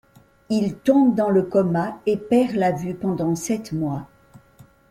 Il tombe dans le coma et perd la vue pendant sept mois.